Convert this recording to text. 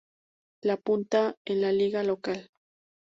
La Punta, en la liga local.